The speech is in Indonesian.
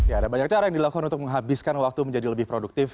ya ada banyak cara yang dilakukan untuk menghabiskan waktu menjadi lebih produktif